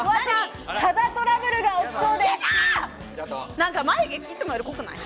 なんか眉毛いつもより濃くない？